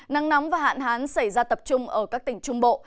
nắng nóng và hạn hán xảy ra tập trung ở các tỉnh trung bộ